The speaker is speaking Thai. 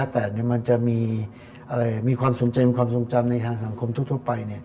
แต่มันจะมีความสนใจความทรงจำในทางสังคมทั่วไป